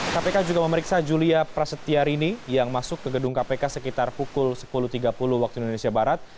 kpk juga memeriksa julia prasetyarini yang masuk ke gedung kpk sekitar pukul sepuluh tiga puluh waktu indonesia barat